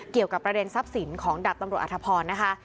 เกี่ยวกับประเด็นทรัพย์สินของดาบตำรวจอธพรนะคะ